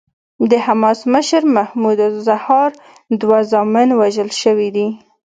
د حماس مشر محمود الزهار دوه زامن وژل شوي دي.